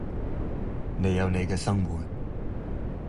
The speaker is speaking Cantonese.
你有你嘅生活